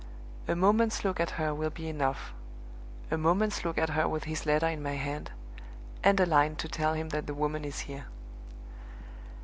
A moment's look at her will be enough a moment's look at her with his letter in my hand and a line to tell him that the woman is here!"